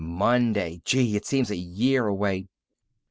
"Monday. Gee! it seems a year away."